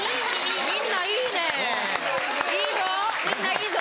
いいぞ！